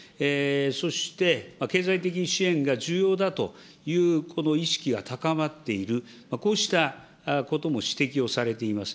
そして経済的支援が重要だというこの意識が高まっている、こうしたことも指摘をされています。